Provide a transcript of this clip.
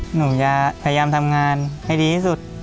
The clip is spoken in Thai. หนูจะพยายามทำงานให้ดีที่สุด